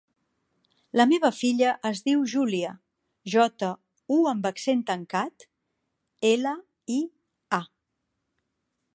La meva filla es diu Júlia: jota, u amb accent tancat, ela, i, a.